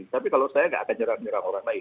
tapi kalau saya nggak akan nyerang nyerang orang lain